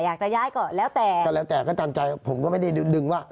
อยากจะย้ายก็แล้วแต่ก็แล้วแต่ก็ตามใจผมก็ไม่ได้ดึงว่า